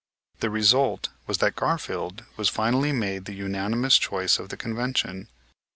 The result was that Garfield was finally made the unanimous choice of the convention.